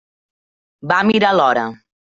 Va mirar l'hora.